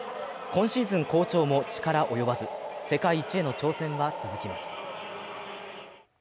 今シーズン好調も力及ばず、世界一への挑戦は続きます。